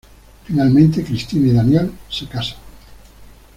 Finalmente, Cristina y Daniel se casan.